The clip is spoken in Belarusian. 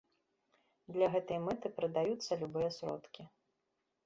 Для гэтай мэты прыдаюцца любыя сродкі.